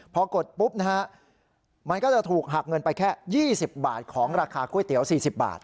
พอกดปุ๊บนะฮะมันก็จะถูกหักเงินไปแค่๒๐บาทของราคาก๋วยเตี๋ยว๔๐บาท